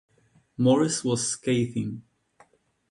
Morris was scathing.